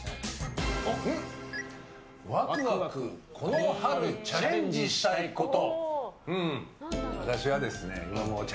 ワクワクこの春チャレンジしたいこと。